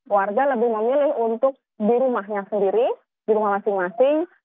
warga lebih memilih untuk di rumahnya sendiri di rumah masing masing